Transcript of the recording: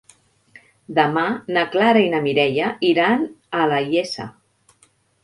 Demà na Clara i na Mireia iran a la Iessa.